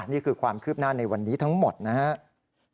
นี่คือความคืบหน้าในวันนี้ทั้งหมดนะครับ